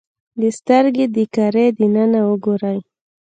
د سترګې د کرې دننه وګورئ.